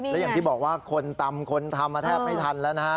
และอย่างที่บอกว่าคนตำคนทำมาแทบไม่ทันแล้วนะฮะ